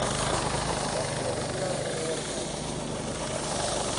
Dan sjoch ik leaver in oare kant út.